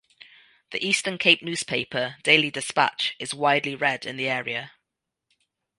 The Eastern Cape newspaper, Daily Dispatch, is widely read in the area.